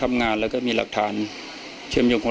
ถ้าใครอยากรู้ว่าลุงพลมีโปรแกรมทำอะไรที่ไหนยังไง